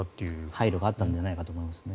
配慮があったんじゃないかと思います。